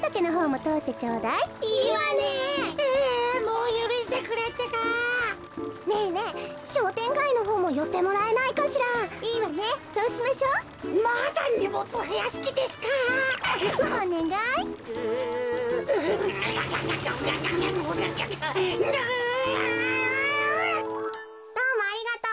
どうもありがとう。